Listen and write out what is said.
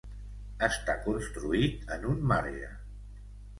Està construït en un marge.